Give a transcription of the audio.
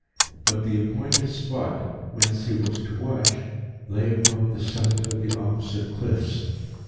But the appointed spot, whence he was to watch, lay upon the summit of the opposite cliffs.